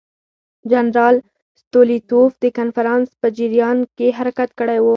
جنرال ستولیتوف د کنفرانس په جریان کې حرکت کړی وو.